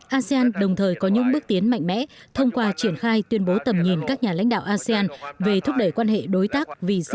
asean đồng thời có những bước tiến mạnh mẽ thông qua triển khai tuyên bố tầm nhìn các nhà lãnh đạo asean về thúc đẩy quan hệ đối tác